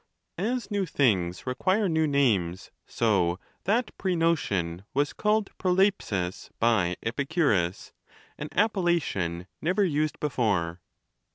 As new things require new names, so that prenotion was called Trpohi^ig by Epicurus ; an appellation never used before.